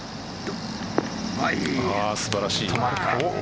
素晴らしい。